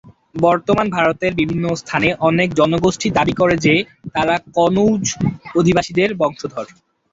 বর্তমান ভারতের বিভিন্ন স্থানের অনেক জনগোষ্ঠী দাবী করে যে তারা কনৌজ অভিবাসীদের বংশধর।